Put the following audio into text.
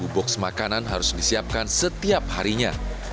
enam puluh lima box makanan harus disiapkan setiap harinya